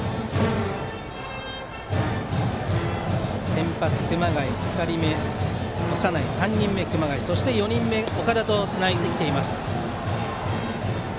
先発、熊谷２人目、長内３人目、熊谷そして４人目、岡田とつないできています。